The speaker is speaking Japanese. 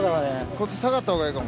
こっち下がったほうがええかも。